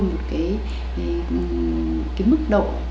một cái mức độ